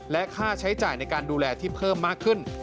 และค่าใช้จ่ายในการดูแลที่เพิ่มมากขึ้น